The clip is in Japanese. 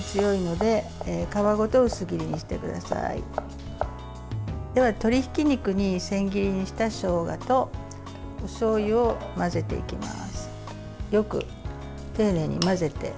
では、鶏ひき肉に千切りにしたしょうがとおしょうゆを混ぜていきます。